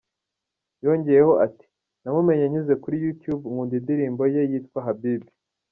Yongeyeho ati "Namumenye nyuze kuri Youtube, nkunda indirimbo ye yitwa ’Habibi’.